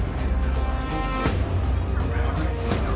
สิงค์คอร์ปอเรชั่น